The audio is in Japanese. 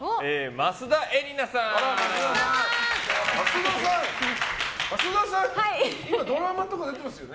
益田さん、今ドラマとか出てますよね。